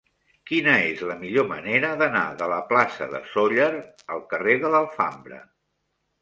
Quina és la millor manera d'anar de la plaça de Sóller al carrer de l'Alfambra?